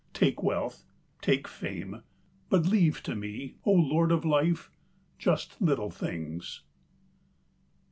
. Take wealth, take fame, but leave to me, O Lord of Life, just Little Things.